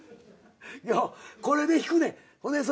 いやこれで引くねん。